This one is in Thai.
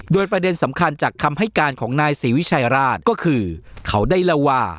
โดยประเด็นสำคัญจากคำให้การของนายศรีวิชัยราชก็คือเขาได้เล่าว่า